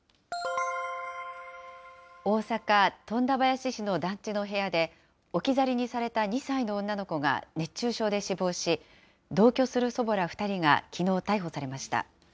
大阪・富田林市の団地の部屋で、置き去りにされた２歳の女の子が熱中症で死亡し、同居する祖母ら２人がきのう、逮捕されました。